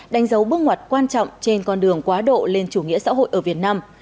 một bước ngoặt quan trọng trên con đường quá độ lên chủ nghĩa xã hội ở việt nam